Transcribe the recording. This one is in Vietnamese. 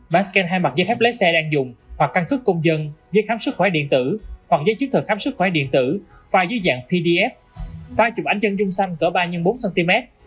bán scan hai mặt giấy phép lái xe đang dùng hoặc căn cức công dân giấy khám sức khỏe điện tử hoặc giấy chứng thực khám sức khỏe điện tử phai dưới dạng pdf phai chụp ảnh dân dung xanh cỡ ba x bốn cm